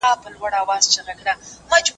پي پي پي معمولا په روغتون کې درملنه کېږي.